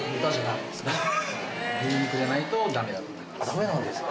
ダメなんですか。